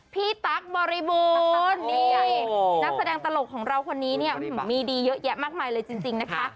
ตั๊กบริบูรณ์นักแสดงตลกของเราคนนี้เนี่ยมีดีเยอะแยะมากมายเลยจริงนะคะ